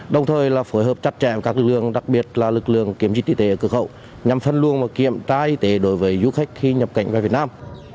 đồng thời là phối hợp chặt chẽ với các lực lượng đặc biệt là lực lượng kiểm dịch y tế ở cửa khẩu nhằm phân luồng và kiểm tra y tế đối với du khách khi nhập cảnh vào việt nam